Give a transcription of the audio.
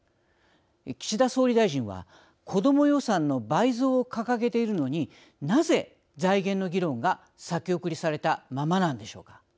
岸田総理大臣は子ども予算の倍増を掲げているのになぜ、財源の議論が先送りされたままなんでしょうか。